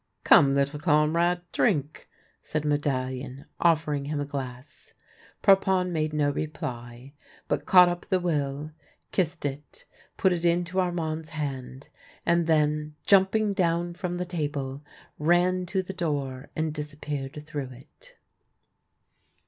" Come, little comrade, drink," said Medallion, offer ing him a glass. Parpon made no reply, but caught up the will, kissed it, put it into Armand's hand, and then, jumping down from the table, ran to the door and disappeared through it.